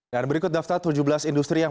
dan berikut daftar tujuh belas industri yang